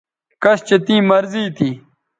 کش چہ تیں مرضی تھی